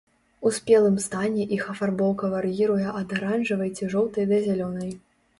У спелым стане іх афарбоўка вар'іруе ад аранжавай ці жоўтай да зялёнай.